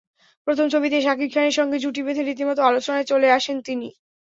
প্রথম ছবিতেই শাকিব খানের সঙ্গে জুটি বেঁধে রীতিমতো আলোচনায় চলে আসেন তিনি।